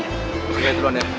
dari duluan ya